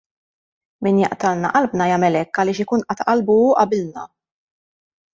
Min jaqtgħalna qalbna jagħmel hekk għaliex ikun qata' qalbu hu qabilna.